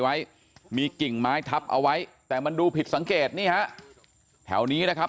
ไว้มีกิ่งไม้ทับเอาไว้แต่มันดูผิดสังเกตนี่ฮะแถวนี้นะครับ